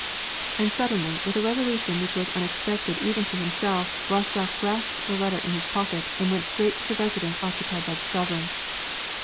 And suddenly, with a resolution which was unexpected even to himself, Bostof grasped the letter in his pocket, and went straight to the residence occupied by his sovereign.